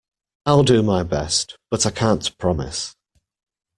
I'll do my best, but I can't promise.